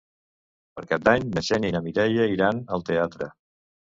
Per Cap d'Any na Xènia i na Mireia iran al teatre.